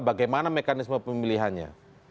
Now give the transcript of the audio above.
bagaimana mekanisme pemilihannya